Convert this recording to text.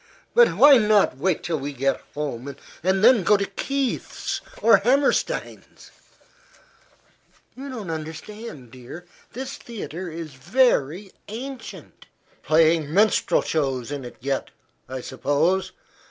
"But why not wait till we get home, and then go to Kieth's or Hammerstein's?" "You don't understand, dear. This theatre is very ancient." "Playing minstrel shows in it yet, I suppose.